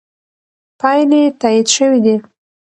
پایلې تایید شوې دي.